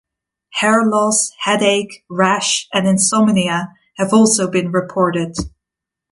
Hair loss, headache, rash, and insomnia have also been reported.